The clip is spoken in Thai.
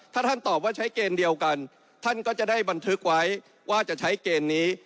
ถ้าท่านตอบว่าใช้เกณฑ์เดียวกันท่านก็จะได้บันทึกไว้ว่าจะใช้เกณฑ์นี้